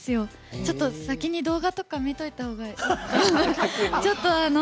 ちょっと先に動画とか見といたほうがいいと。